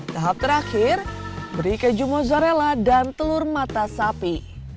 tahap terakhir beri keju mozzarella dan telur mata sapi